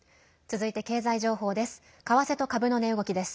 続いて経済情報です。